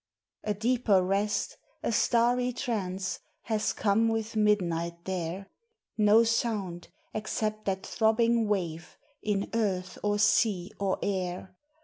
A deeper rest, a starry trance, has come with midnight there; No sound, except that throbbing wave, in earth or sea or air.